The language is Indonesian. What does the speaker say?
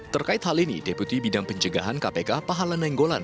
terkait hal ini deputi bidang pencegahan kpk pahala nainggolan